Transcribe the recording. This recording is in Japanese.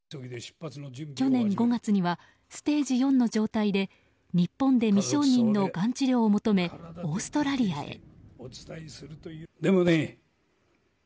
去年５月にはステージ４の状態で日本で未承認のがん治療を求めオーストラリアへ。